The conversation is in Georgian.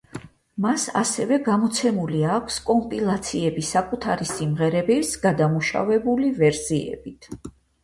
მას ასევე გამოცემული აქვს კომპილაციები საკუთარი სიმღერების გადამუშავებული ვერსიებით.